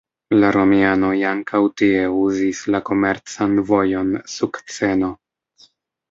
La romianoj ankaŭ tie uzis la komercan vojon "Sukceno".